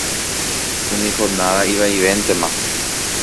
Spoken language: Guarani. Umi jornada ivaivéntema.